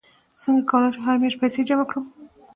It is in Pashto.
څنګه کولی شم هره میاشت پیسې جمع کړم